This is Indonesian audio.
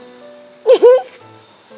nggak jadi nih